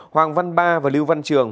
hoàng văn ba và lưu văn trường